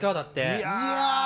いや。